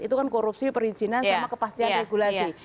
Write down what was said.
itu kan korupsi perizinan sama kepastian regulasi